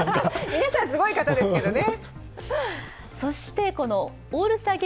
皆さんすごい方ですけどね。